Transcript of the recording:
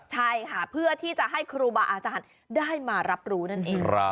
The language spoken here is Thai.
ใช่ค่ะเพื่อที่จะให้ครูบาอาจารย์ได้มารับรู้นั่นเอง